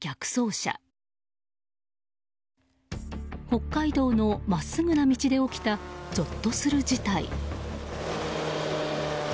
北海道の真っすぐな道で起きたぞっとする事態。